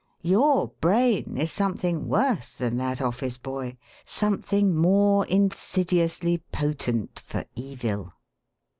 Your brain is something worse than that office boy, something more insidiously potent for evil.